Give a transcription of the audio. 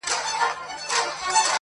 لکه جوړه له مرمرو نازنینه!.